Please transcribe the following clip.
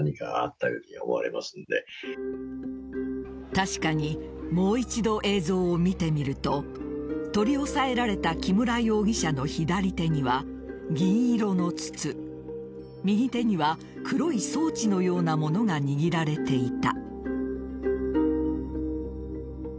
確かにもう一度、映像を見てみると取り押さえられた木村容疑者の左手には銀色の筒右手には黒い装置のようなものが握られていた。